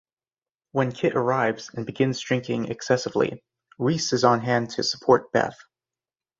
When Kit arrives and begins drinking excessively, Rhys is on hand to support Beth.